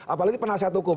apalagi penasihat hukum